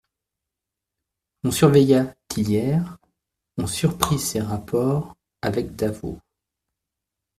On surveilla Tillières, on surprit ses rapports avec d'Avaux.